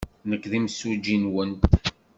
Nekk d imsujji-nwent.